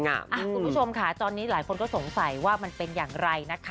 คุณผู้ชมค่ะตอนนี้หลายคนก็สงสัยว่ามันเป็นอย่างไรนะคะ